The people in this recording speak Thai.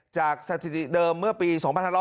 จากสถิติเดิมเมื่อปี๒๕๖๐